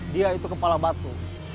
dia itu kepala batu